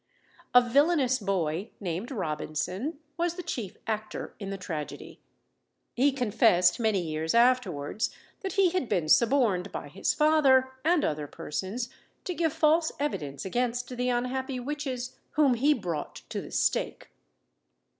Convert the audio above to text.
A villanous boy, named Robinson, was the chief actor in the tragedy. He confessed many years afterwards that he had been suborned by his father and other persons to give false evidence against the unhappy witches whom he brought to the stake.